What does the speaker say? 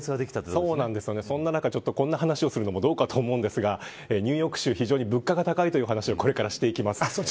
そんな中、こんな話をするのもどうかと思うのですがニューヨーク州は非常に物価が高いというお話をこれからしていきます。